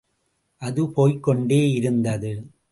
அது போய்க்கொண்டே இருந்தது.